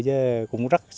chứ cũng rất nguy hiểm